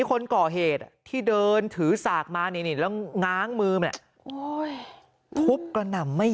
คนก่อเหตุที่เดินถือสากมานี่แล้วง้างมือทุบกระหน่ำไม่